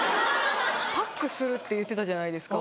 パックするって言ってたじゃないですか。